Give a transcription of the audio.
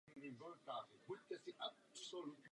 Není toho málo.